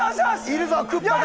いるぞクッパが！